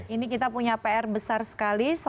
ini kita punya pr besar sekali